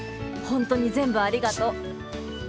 本当に全部ありがとう。